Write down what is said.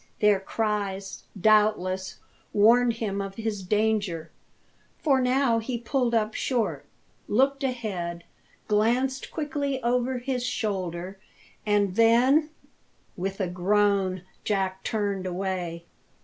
Their cries, doubtless, warned him of his danger, for now he pulled up short, looked ahead, glanced quickly over his shoulder, and then With a groan Jack turned away.